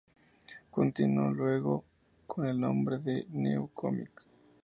Continuó luego con el nombre de New Comic.